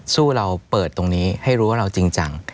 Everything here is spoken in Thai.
เราเปิดตรงนี้ให้รู้ว่าเราจริงจัง